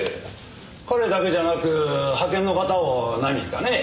彼だけじゃなく派遣の方を何人かね。